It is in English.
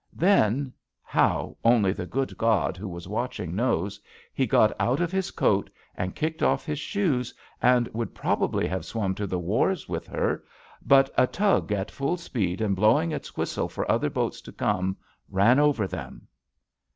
Then — ^how, only the good God who was watching, knows — ^he got out of his JUST SWEETHEARTS coat and kicked off his shoes and would prob ably have swuni to the wharves with her, but i . tug, at full speed and blowing its whistle for I'ther boats to come, ran over them.